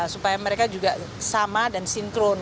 supaya mereka juga sama dan sinkron